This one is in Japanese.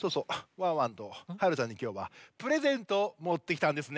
ワンワンとはるちゃんにきょうはプレゼントをもってきたんですね。